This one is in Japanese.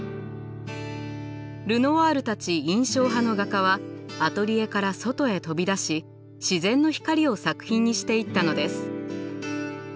ルノワールたち印象派の画家はアトリエから外へ飛び出し自然の光を作品にしていったのです。